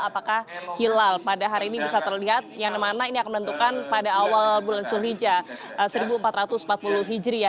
apakah hilal pada hari ini bisa terlihat yang mana ini akan menentukan pada awal bulan sulhijjah seribu empat ratus empat puluh hijri ya